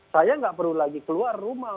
saya nggak perlu lagi keluar rumah